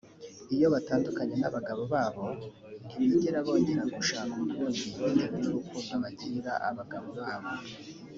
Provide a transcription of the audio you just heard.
Iyo batandukanye n’abagabo babo ntibigera bongera gushaka ukundi bitewe n’urukundo bagirira abagabo babo